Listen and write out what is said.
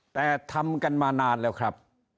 แต่ทำกันมานานแล้วครับ